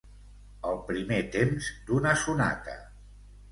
El primer temps d'una sonata.